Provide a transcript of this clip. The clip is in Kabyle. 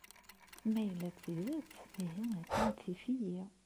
Ma yella d tidet, ihi attan tif-iyi.